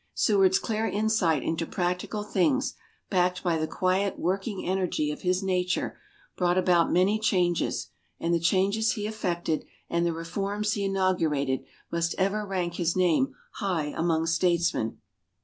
Seward's clear insight into practical things, backed by the quiet working energy of his nature, brought about many changes, and the changes he effected and the reforms he inaugurated must ever rank his name high among statesmen.